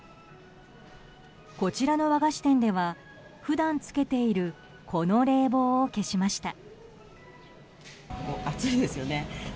こちらの和菓子店では普段付けているこの冷房を消しました。